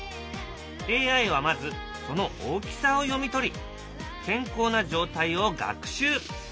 ＡＩはまずその大きさを読み取り健康な状態を学習。